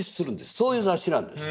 そういう雑誌なんです。